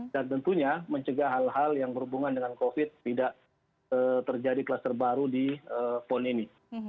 dan tentunya mencegah hal hal yang berhubungan dengan covid sembilan belas tidak terjadi kluster baru di pon ini